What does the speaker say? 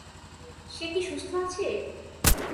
সে কি সুস্থ আছে?